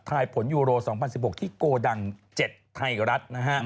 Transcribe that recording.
ผลยูโร๒๐๑๖ที่โกดัง๗ไทยรัฐนะฮะ